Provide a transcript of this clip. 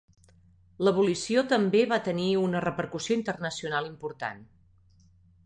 L'abolició també va tenir una repercussió internacional important.